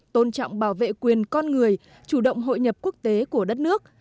tôn trọng bảo vệ quyền con người chủ động hội nhập quốc tế của đất nước